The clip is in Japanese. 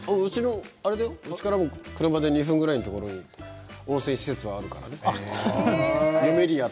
うちから２分ぐらいのところに温泉施設がありますからね。